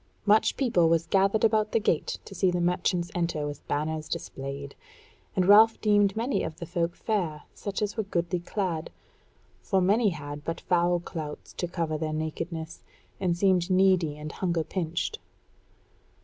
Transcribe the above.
Much people was gathered about the gate to see the merchants enter with banners displayed; and Ralph deemed many of the folk fair, such as were goodly clad; for many had but foul clouts to cover their nakedness, and seemed needy and hunger pinched.